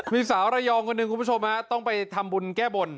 มีสาวระยองคนหนึ่งคุณผู้ชมฮะต้องไปทำบุญแก้บน